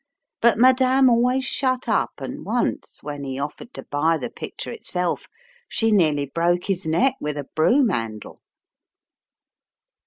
But Madame always shut up and once when 'e offered to buy the picture itself, she nearly broke his neck with a broom handle."